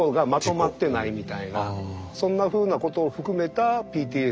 そんなふうなことを含めたＰＴＳＤです。